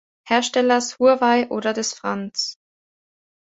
Herstellers Huawei oder des franz.